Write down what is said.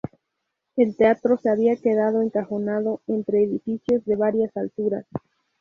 El teatro se había quedado encajonado entre edificios de varias alturas.